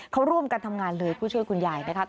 เขาร่วมกันทำงานเลยผู้ช่วยคุณยายนะครับ